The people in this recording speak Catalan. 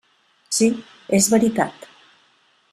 Sí, és veritat.